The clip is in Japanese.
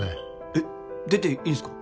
えっ出ていいんすか？